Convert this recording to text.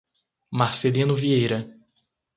Marcelino Vieira